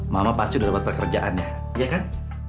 mama pasti udah dapat pekerjaan ya iya kan